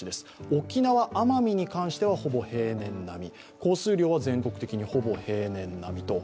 沖縄、奄美に関してはほぼ平年並み降水量は全国的にほぼ平年なみと。